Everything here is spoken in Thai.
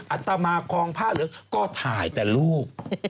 อัตมากองผ้าเหลืองก็ถ่ายแต่รูป